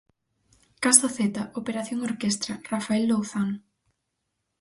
Caso Zeta; operación Orquestra; Rafael Louzán.